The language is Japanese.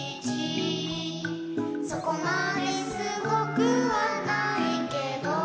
「そこまですごくはないけど」